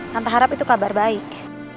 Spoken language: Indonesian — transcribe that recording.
tanpa harap itu kabar baik